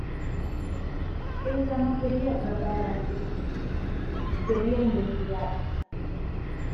Ella no quería tratar a la gente, quería investigar.